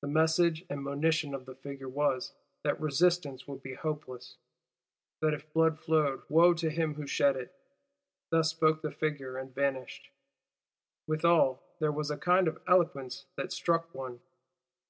The message and monition of the figure was, that resistance would be hopeless; that if blood flowed, wo to him who shed it. Thus spoke the figure; and vanished. "Withal there was a kind of eloquence that struck one."